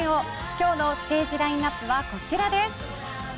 今日のステージラインアップはこちらです。